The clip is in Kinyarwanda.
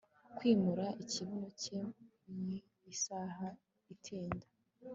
kwimura ikibuno cye mu isaha itinda